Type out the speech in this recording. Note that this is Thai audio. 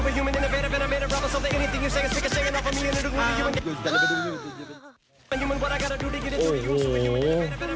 คือ